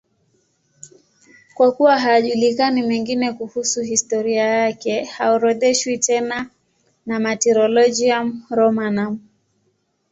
Kwa kuwa hayajulikani mengine kuhusu historia yake, haorodheshwi tena na Martyrologium Romanum.